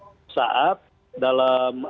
saat dalam apc juga berjalan dengan sangat intensif